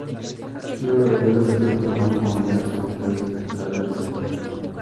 Solo alrededor de Jartum hay comunidades conectadas a la red nacional.